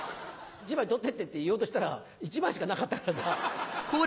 「１枚取って」って言おうとしたら１枚しかなかったからさ。